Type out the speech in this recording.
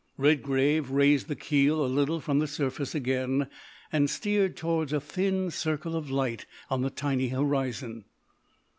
Redgrave raised the keel a little from the surface again and steered towards a thin circle of light on the tiny horizon.